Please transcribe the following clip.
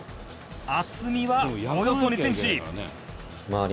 「厚みはおよそ２センチ」